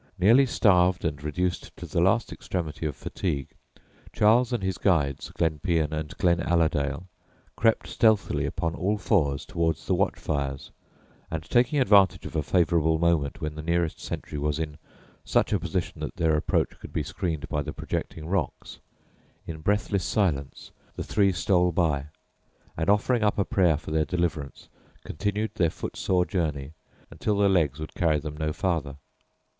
Nearly starved and reduced to the last extremity of fatigue, Charles and his guides, Glenpean and Glenaladale, crept stealthily upon all fours towards the watch fires, and taking advantage of a favourable moment when the nearest sentry was in such a position that their approach could be screened by the projecting rocks, in breathless silence the three stole by, and offering up a prayer for their deliverance, continued their foot sore journey until their legs would carry them no farther.